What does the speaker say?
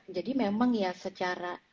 jadi memang ya secara